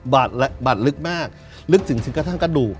บาดลึกมากลึกถึงกระทั่งกระดูก